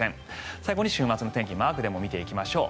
最後に週末の天気をマークでも見ていきましょう。